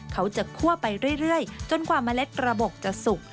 เขาจะคั่วไปเรื่อยจนกว่าเมล็ดกระบบจะสุก